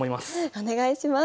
お願いします。